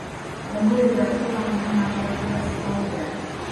Omuweereza yasooka bonna n'abaleetera sooda.